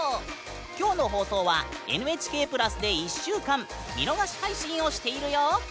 きょうの放送はＮＨＫプラスで１週間見逃し配信をしているよ。